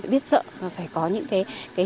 biết sợ phải có những cái